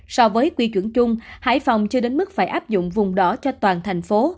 so với quy chuẩn chung hải phòng chưa đến mức phải áp dụng vùng đỏ cho toàn thành phố